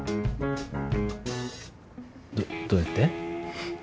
どどうやって？